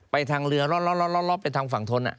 ทางเรือล่อไปทางฝั่งทน